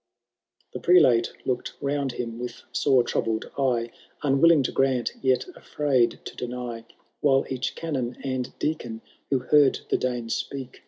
*' The Prelate look*d round him with sore troubled eye. Unwilling to grant, yet afraid to deny ; While each Canon and Deacon who heard the Dane speak.